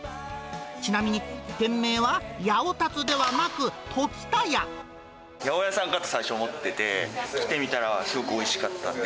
ちなみに、八百屋さんかと最初思ってて、来てみたら、すごくおいしかったんで。